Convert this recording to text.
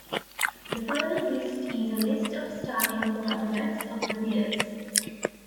The following list is a list of starting quarterbacks of the Bears.